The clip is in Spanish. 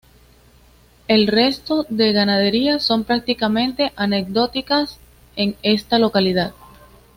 El resto de ganaderías son prácticamente anecdóticas en esta localidad.